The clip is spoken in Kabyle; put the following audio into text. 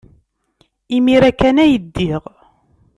Imir-a kan ay ddiɣ.